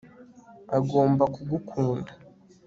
agomba kugukunda